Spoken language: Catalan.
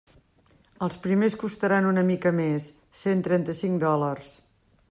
Els primers costaran una mica més, cent trenta-cinc dòlars.